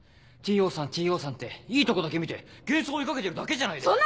Ｔ・ＯさんＴ・Ｏさんっていいとこだけ見て幻想追い掛けてるだけじゃないですか！